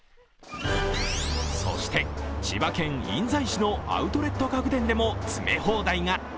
そして、千葉県印西市のアウトレット家具店でも詰め放題が。